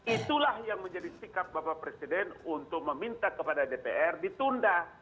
itulah yang menjadi sikap bapak presiden untuk meminta kepada dpr ditunda